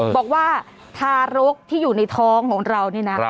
บอกว่าทารกที่อยู่ในท้องของเรานี่นะ